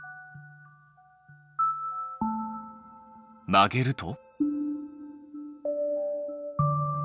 曲げると？